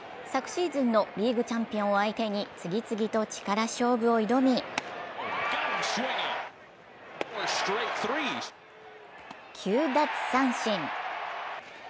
昨シーズンのリーグチャンピオンを相手に次々に力勝負を挑み９奪三振。